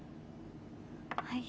はい。